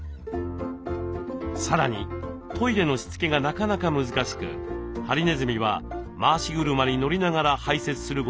さらにトイレのしつけがなかなか難しくハリネズミは回し車に乗りながら排せつすることも多いそう。